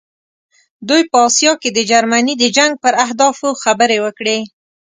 دوی په آسیا کې د جرمني د جنګ پر اهدافو خبرې وکړې.